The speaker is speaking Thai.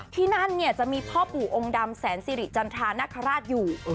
ที่นั่นเนี่ยจะมีพ่อปู่องค์ดำแสนสิริจันทรานคราชอยู่